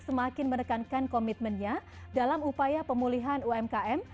semakin menekankan komitmennya dalam upaya pemulihan umkm